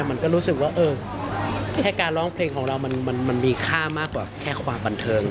มันก็รู้สึกว่าแค่การร้องเพลงของเรามันมีค่ามากกว่าแค่ความบันเทิง